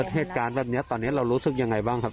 เหตุการณ์แบบนี้ตอนนี้เรารู้สึกยังไงบ้างครับ